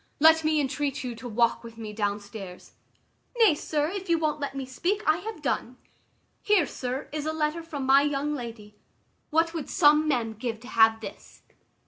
Let me entreat you to walk with me down stairs." "Nay, sir, if you won't let me speak, I have done. Here, sir, is a letter from my young lady what would some men give to have this?